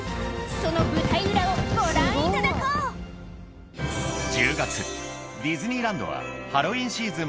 その舞台裏をご覧いただこう１０月ディズニーランドはハロウィーンシーズン